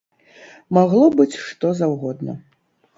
Магло быць што заўгодна.